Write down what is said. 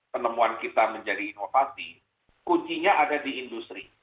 penemuan kita menjadi inovasi kuncinya ada di industri